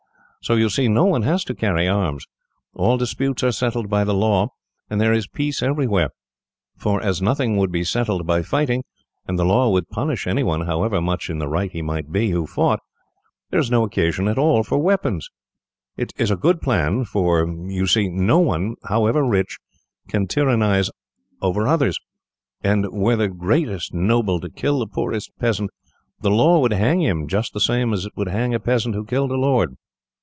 So you see, no one has to carry arms. All disputes are settled by the law, and there is peace everywhere; for as nothing would be settled by fighting, and the law would punish any one, however much in the right he might be, who fought, there is no occasion at all for weapons. It is a good plan, for you see no one, however rich, can tyrannise over others; and were the greatest noble to kill the poorest peasant, the law would hang him, just the same as it would hang a peasant who killed a lord.